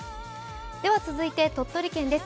続いて鳥取県です。